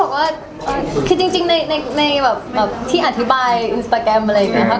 ก็คือจริงในที่อธิบายอินสตาร์แกรมอะไรอย่างเนี่ย